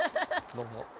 どうも。